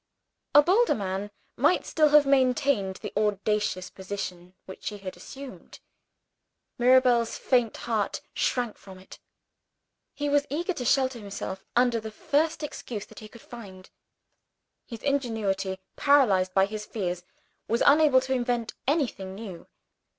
A bolder man might still have maintained the audacious position which he had assumed. Mirabel's faint heart shrank from it. He was eager to shelter himself under the first excuse that he could find. His ingenuity, paralyzed by his fears, was unable to invent anything new.